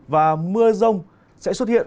và mưa rông sẽ xuất hiện